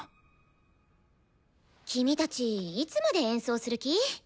君たちいつまで演奏する気？